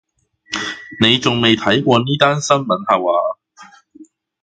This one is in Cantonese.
你仲未睇過呢單新聞下話？